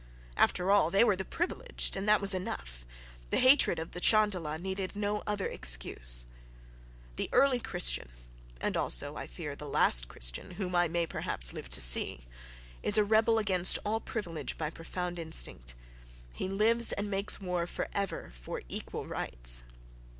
—After all, they were the privileged, and that was enough: the hatred of the Chandala needed no other excuse. The "early Christian"—and also, I fear, the "last Christian," whom I may perhaps live to see—is a rebel against all privilege by profound instinct—he lives and makes war for ever for "equal rights."...